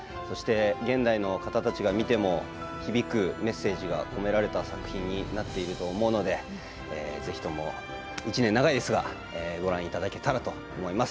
現代の方たちが見ても響くメッセージが込められた作品になっていると思うのでぜひとも１年長いですがご覧いただけたらと思います。